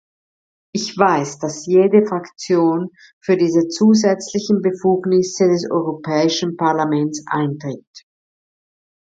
Ich weiß, dass jede Fraktion für diese zusätzlichen Befugnisse des Europäischen Parlaments eintritt.